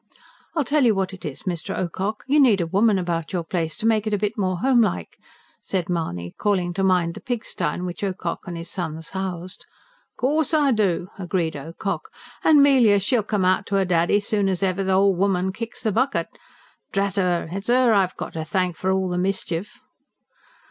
"I tell you what it is, Mr. Ocock, you need a woman about your place, to make it a bit more homelike," said Mahony, calling to mind the pigstye in which Ocock and his sons housed. "Course I do!" agreed Ocock. "And Melia, she'll come out to 'er daddy soon as ever th'ol' woman kicks the bucket. Drat 'er! It's 'er I've got to thank for all the mischief."